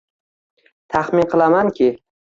Tahmin qilamanki